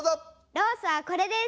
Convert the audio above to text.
ロースはこれです。